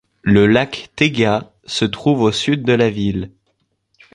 Le lac Tega se trouve au sud de la ville.